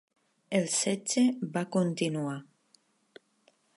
El setge va continuar.